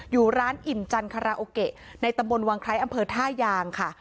อยู่ร้านอิ่มจันคาราโอเกะในตำบลวังไคร้อำเภอท่ายางค่ะ